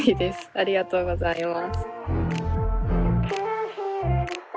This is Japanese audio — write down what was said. ありがとうございます。